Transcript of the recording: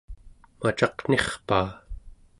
macaqnirpaa